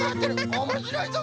おもしろいぞ！